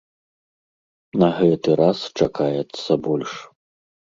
На гэты раз чакаецца больш.